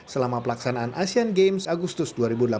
selama pelaksanaan asean games agustus dua ribu delapan belas